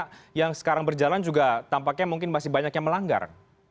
karena yang sekarang berjalan juga tampaknya mungkin masih banyak yang melanggar